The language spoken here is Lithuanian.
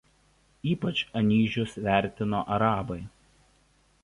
Ypač anyžius vertino arabai.